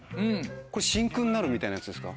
これ真空になるみたいなやつですか？